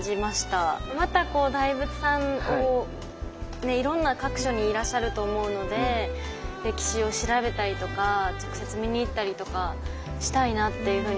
また大仏さんねいろんな各所にいらっしゃると思うので歴史を調べたりとか直接見に行ったりとかしたいなっていうふうにすごく思いました。